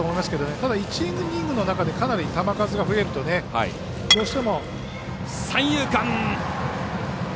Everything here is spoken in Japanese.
ただ、１イニングの中でかなり球数が増えるとどうしても。